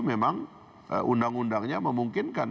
memang undang undangnya memungkinkan